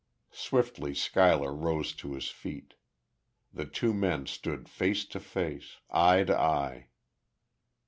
Swiftly Schuyler rose to his feet. The two men stood face to face, eye to eye.